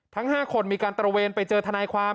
ทั้ง๕คนมีการตระเวนไปเจอทนายความ